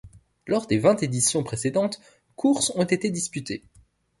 Lors des vingt éditions précédentes, courses ont été disputées.